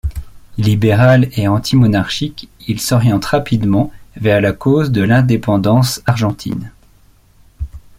Libéral et antimonarchique, il s'oriente rapidement vers la cause de l'indépendance argentine.